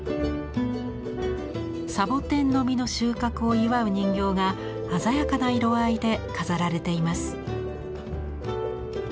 サボテンの実の収穫を祝う人形が鮮やかな色合いで飾られています。